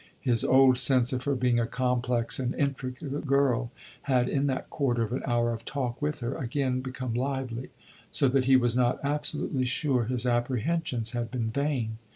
His old sense of her being a complex and intricate girl had, in that quarter of an hour of talk with her, again become lively, so that he was not absolutely sure his apprehensions had been vain.